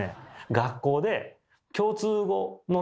学校で共通語のね